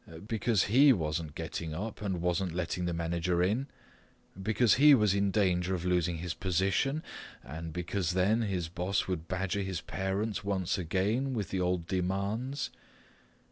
Because he wasn't getting up and wasn't letting the manager in, because he was in danger of losing his position, and because then his boss would badger his parents once again with the old demands?